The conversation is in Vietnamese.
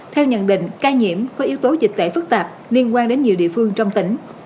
theo nhận định ca nhiễm có yếu tố dịch tễ phức tạp liên quan đến nhiều địa phương trong tỉnh